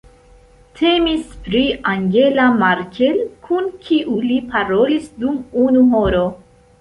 Temis pri Angela Merkel, kun kiu li parolis dum unu horo.